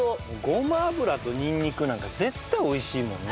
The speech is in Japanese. ごま油とにんにくなんか絶対美味しいもんね。